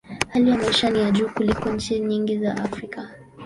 Hali ya maisha ni ya juu kuliko nchi nyingi za Afrika.